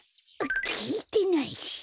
きいてないし。